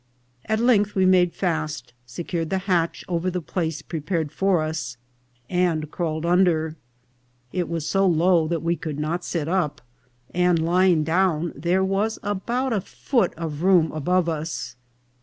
At length we made fast, se cured the hatch over the place prepared for us, and crawled under. It was so low that we could not sit up, and, lying down, there was about a foot of room above us.